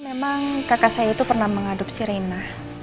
memang kakak saya itu pernah mengadopsi rina